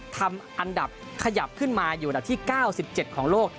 ทำอันดับขยับขึ้นมาอยู่อันดับที่๙๗ของโลก